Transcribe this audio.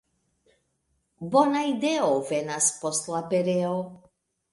Bona ideo venas post la pereo.